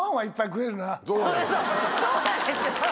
そうなんですよ。